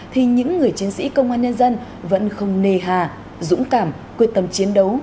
thì những người chiến sĩ công an nhân dân vẫn không nề hà dũng cảm quyết tâm chiến đấu